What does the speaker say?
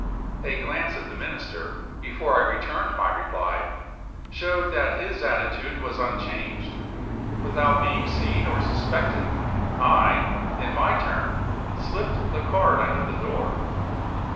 A glance at the Minister, before I returned my reply, showed that his attitude was unchanged. Without being seen or suspected, I, in my turn, slipped the card under the door.